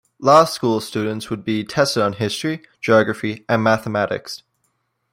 Law School students would be tested on History, Geography and Mathematics.